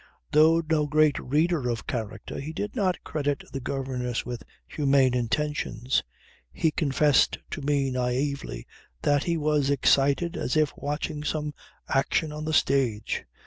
Though no great reader of character he did not credit the governess with humane intentions. He confessed to me naively that he was excited as if watching some action on the stage.